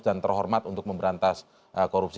dan terhormat untuk memberantas korupsi